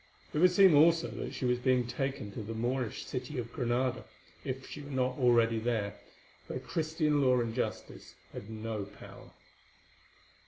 It would seem also that she was being taken to the Moorish city of Granada, if she were not already there, where Christian law and justice had no power.